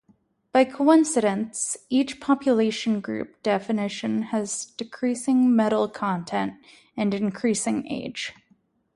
By coincidence, each population group definition has decreasing metal content and increasing age.